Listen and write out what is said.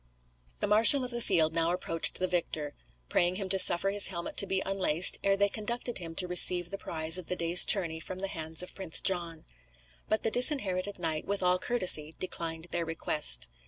The marshal of the field now approached the victor, praying him to suffer his helmet to be unlaced, ere they conducted him to receive the prize of the day's tourney from the hands of Prince John. But the Disinherited Knight, with all courtesy, declined their request.